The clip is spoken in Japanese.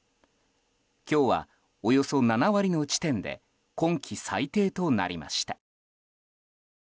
今日は、およそ７割の地点で今季最低となりました。